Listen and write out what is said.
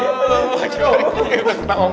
mereka harus jual waktu angka orang